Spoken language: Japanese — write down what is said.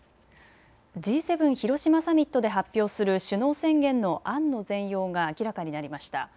Ｇ７広島サミットで発表する首脳宣言の案の全容が明らかになりました。